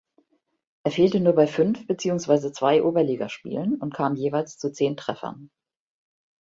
Er fehlte nur bei fünf beziehungsweise zwei Oberligaspielen und kam jeweils zu zehn Treffern.